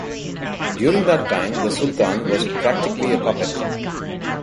During that time, the sultan was practically a puppet.